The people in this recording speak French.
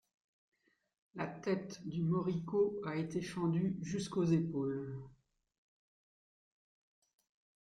La tête du moricaud a été fendue jusqu'aux épaules.